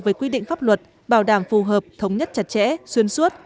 với quy định pháp luật bảo đảm phù hợp thống nhất chặt chẽ xuyên suốt